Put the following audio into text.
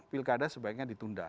pilkada sebaiknya ditunda